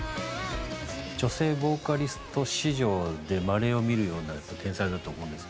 女性ボーカリスト史上でまれを見るような天才だと思うんです。